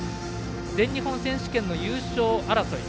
全日本選手権の優勝争い